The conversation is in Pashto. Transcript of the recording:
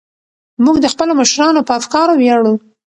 موږ د خپلو مشرانو په افکارو ویاړو.